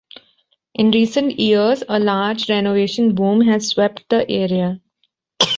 In recent years a large renovation boom has swept the area.